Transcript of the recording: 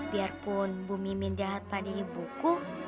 biarpun bu mimin jahat pada ibuku